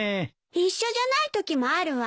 一緒じゃないときもあるわ。